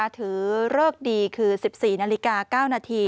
ถือเลิกดีคือ๑๔นาฬิกา๙นาที